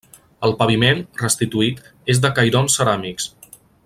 El paviment, restituït, és de cairons ceràmics.